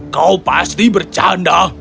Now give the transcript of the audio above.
kau pasti bercanda